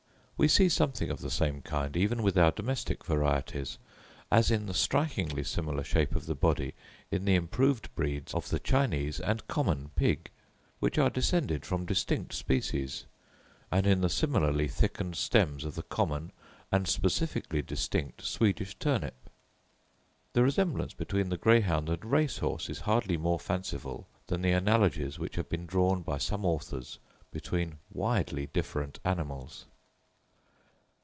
We see something of the same kind even with our domestic varieties, as in the strikingly similar shape of the body in the improved breeds of the Chinese and common pig, which are descended from distinct species; and in the similarly thickened stems of the common and specifically distinct Swedish turnip. The resemblance between the greyhound and race horse is hardly more fanciful than the analogies which have been drawn by some authors between widely different animals.